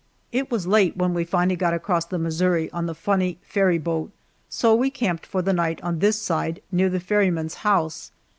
It was late when we finally got across the Missouri on the funny ferryboat, so we camped for the night on this side near the ferryman's house.